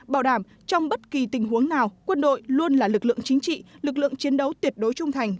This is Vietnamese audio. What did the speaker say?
bảo đảm trong bất kỳ tình huống nào quân đội luôn là lực lượng chính trị lực lượng chiến đấu tuyệt đối trung thành